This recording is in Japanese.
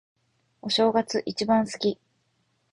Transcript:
お正月、一番好き。